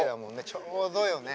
ちょうどよね。